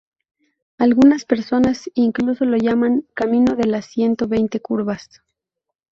Algunas personas incluso lo llaman "Camino de las Ciento Veinte Curvas".